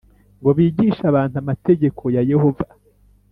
ngo bigishe abantu amategeko ya Yehova